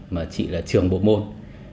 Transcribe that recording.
mà chị là trường bộ môn